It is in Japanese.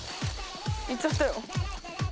行っちゃったよ。